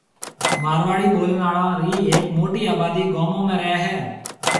مارواڙي بولڻ آݪو رِي ھيَََڪ موٽِي آبادي گومون ۾ رَي ھيَََ